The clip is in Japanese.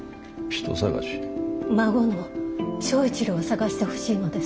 孫の正一郎を探してほしいのです。